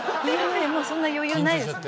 もうそんな余裕ないですもん。